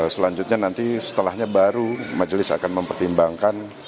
selanjutnya nanti setelahnya baru majelis akan mempertimbangkan